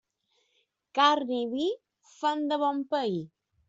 Carn i vi fan de bon pair.